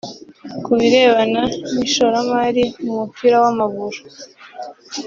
Ku birebana n’ishoramari mu mupira w’amaguru